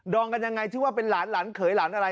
องกันยังไงที่ว่าเป็นหลานหลานเขยหลานอะไร